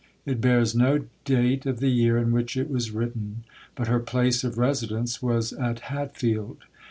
It bears no date of the year in which it was written; but her place of residence was at Hatfield.